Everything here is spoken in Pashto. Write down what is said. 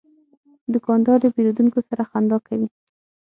دوکاندار د پیرودونکو سره خندا کوي.